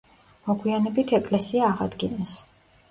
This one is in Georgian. მოგვიანებით ეკლესია აღადგინეს.